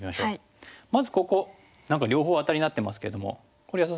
まずここ何か両方アタリになってますけどもこれ安田さん